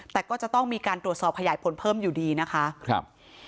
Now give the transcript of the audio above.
แต่ก็จะต้องมีการตรวจสอบขยายผลเพิ่มอยู่ดีนะคะครับ